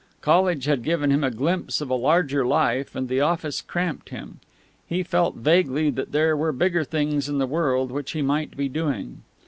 College had given him a glimpse of a larger life, and the office cramped him. He felt vaguely that there were bigger things in the world which he might be doing.